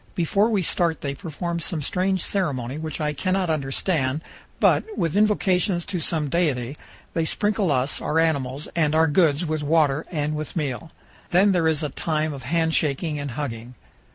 Before we start they perform some strange ceremony which I cannot understand, but, with invocations to some deity, they sprinkle us, our animals, and our goods with water and with meal. Then there is a time of handshaking and hugging.